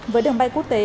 với đường bay quốc tế